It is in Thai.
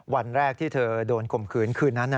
วันแรกที่เธอโดนข่มขืนคืนนั้น